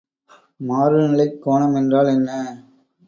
மாறுநிலைக் கோணம் என்றால் என்ன?